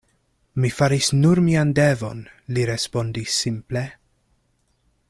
Mi faris nur mian devon, li respondis simple.